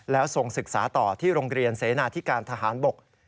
แล้วส่งศึกษาต่อที่โรงเรียนเสนาธิการทหารบก